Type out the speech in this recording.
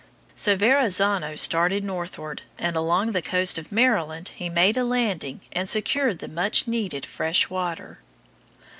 So Verrazzano started northward, and along the coast of Maryland he made a landing and secured the much needed fresh water.